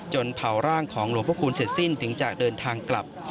เผาร่างของหลวงพระคุณเสร็จสิ้นถึงจะเดินทางกลับ